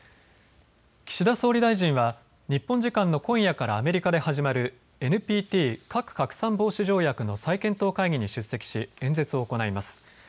岸田総理大臣は日本時間の今夜からアメリカで始まるＮＰＴ・核拡散防止条約の再検討会議に出席し演説を行います。